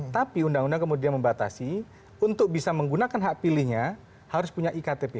tapi undang undang kemudian membatasi untuk bisa menggunakan hak pilihnya harus punya iktp